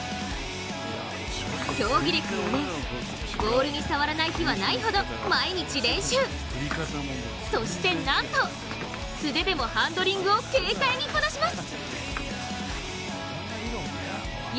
競技歴４年、ボールに触らない日はないほどそしてなんと素手でもハンドリングを軽快にこなします。